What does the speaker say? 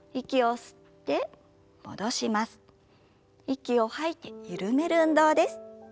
息を吐いて緩める運動です。